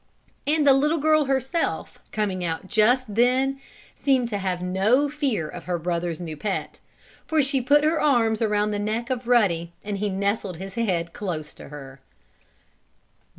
And the little girl herself, coming out just then, seemed to have no fear of her brother's new pet. For she put her arms around the neck of Ruddy and he nestled his head close against her.